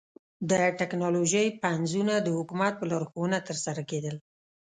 د ټکنالوژۍ پنځونه د حکومت په لارښوونه ترسره کېدل